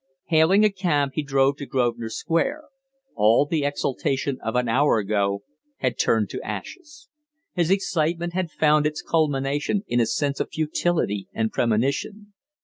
Hailing a cab, he drove to Grosvenor Square. All the exaltation of an hour ago had turned to ashes. His excitement had found its culmination in a sense of futility and premonition.